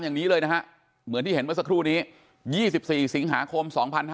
อย่างนี้เลยนะฮะเหมือนที่เห็นเมื่อสักครู่นี้๒๔สิงหาคม๒๕๕๙